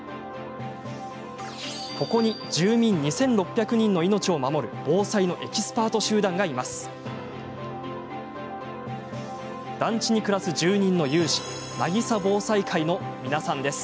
ここに住民２６００人の命を守る防災のエキスパート集団がいます。